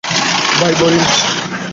By, Robin.